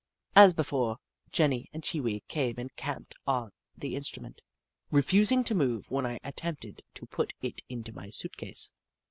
As before, Jenny and Chee Wee came and camped on the in strument, refusing to move when I attempted to put it into my suit case.